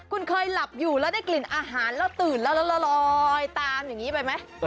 คุณเคยหลับอยู่แล้วได้กลิ่นอาหารแล้วตื่นแล้วแล้วลอยตามอย่างนี้ไปไหม